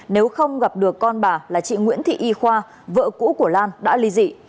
nếu không gặp được con bà là chị nguyễn thị y khoa vợ cũ của lan đã ly dị